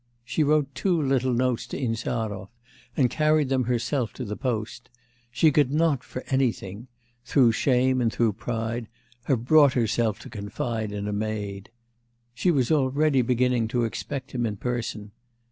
She wrote two little notes to Insarov, and carried them herself to the post: she could not for anything through shame and through pride have brought herself to confide in a maid. She was already beginning to expect him in person....